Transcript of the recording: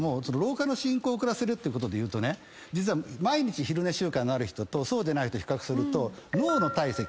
遅らせるってことでいうとね毎日昼寝習慣がある人とそうでない人比較すると脳の体積。